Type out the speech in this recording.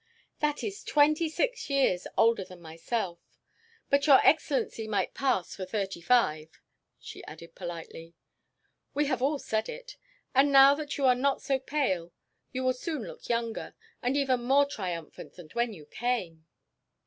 "That is twenty six years older than myself. But your excellency might pass for thirty five," she added politely. "We have all said it. And now that you are not so pale you will soon look younger and even more triumphant than when you came."